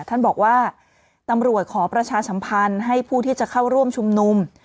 ท่านบอกว่าตำรวจขอประชาสัมพันธ์ให้ผู้ที่จะเข้าร่วมชุมนุม